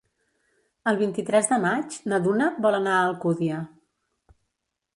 El vint-i-tres de maig na Duna vol anar a Alcúdia.